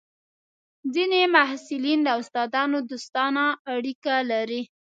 ځینې محصلین له استادانو دوستانه اړیکې لري.